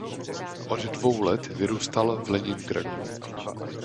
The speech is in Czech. Od dvou let vyrůstal v Leningradu.